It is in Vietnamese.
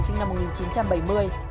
sinh năm một nghìn chín trăm bảy mươi